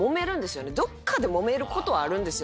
どっかでもめることはあるんですよ。